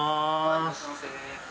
いらっしゃいませ。